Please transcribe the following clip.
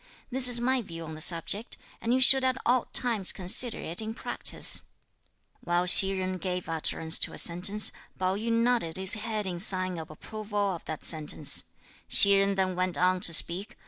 This is my view on the subject, and you should at all times consider it in practice." While Hsi Jen gave utterance to a sentence, Pao yü nodded his head in sign of approval of that sentence. Hsi Jen then went on to speak.